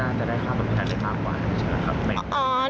น่าจะได้ความสำคัญได้ต่างกว่านั้นใช่ไหมครับ